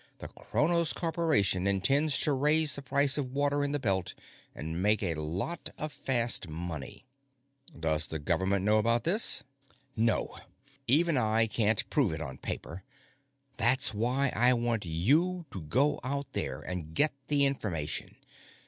The Cronos Corporation intends to raise the price of water in the Belt and make a lot of fast money." "Does the Government know about this?" "No. Even I can't prove it on paper. That's why I want you to go out there and get the information.